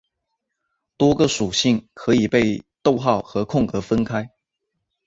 多个属性可以被逗号和空格分开。